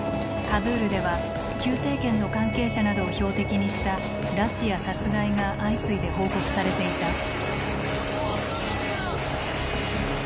カブールでは旧政権の関係者などを標的にした拉致や殺害が相次いで報告されていた。